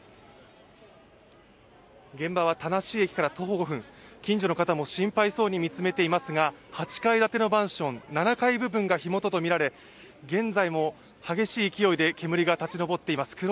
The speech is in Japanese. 現場は田無駅から徒歩５分、近所の方も心配そうに見つめていますが８階建てマンション、７階部分が火元とみられ現在も激しい勢いで煙が立ち上っています。